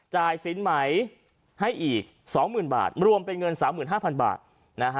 จ่ายสินใหม่ให้อีกสองหมื่นบาทรวมเป็นเงินสามหมื่นห้าพันบาทนะฮะ